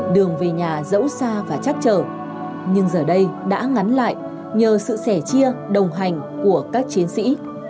đường về nhà dẫu sao và chắc trở nhưng giờ đây đã ngắn lại nhờ sự sẻ chia đồng hành của các chiến sĩ